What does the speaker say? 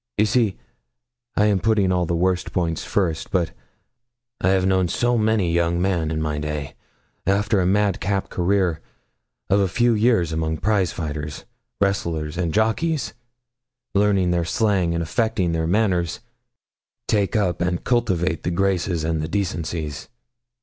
You see, I am putting all the worst points first. But I have known so many young men in my day, after a madcap career of a few years among prizefighters, wrestlers, and jockeys learning their slang and affecting their manners take up and cultivate the graces and the decencies.